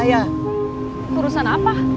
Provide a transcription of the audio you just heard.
kamu yang jangan ikut campur urusan saya